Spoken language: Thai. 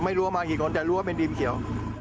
ไม่รู้ว่ามากี่คนแต่รู้ว่าเป็นทีมเขียว